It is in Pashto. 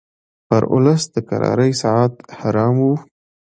پر اولس د کرارۍ ساعت حرام وو